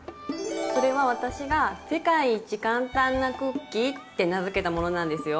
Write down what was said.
それは私が「世界一簡単なクッキー」って名付けたものなんですよ。